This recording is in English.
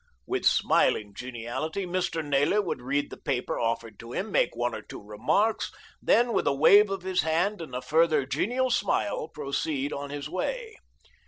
With smiling geniality Mr. Naylor would read the paper offered to him, make one or two remarks, then with a wave of his hand and a further genial smile proceed on his way.